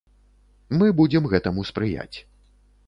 Мы будзем гэтаму спрыяць.